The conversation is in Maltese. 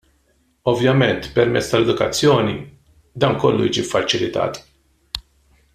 Ovvjament, permezz tal-edukazzjoni, dan kollu jiġi ffaċilitat.